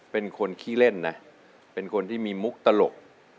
เป็นคนขี้เล่นนะเป็นคนที่มีมุกตลก